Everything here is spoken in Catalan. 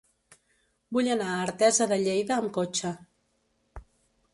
Vull anar a Artesa de Lleida amb cotxe.